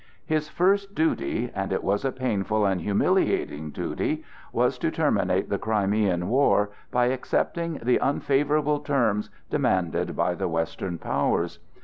His first duty—and it was a painful and humiliating duty—was to terminate the Crimean War by accepting the unfavorable terms demanded by the western powers.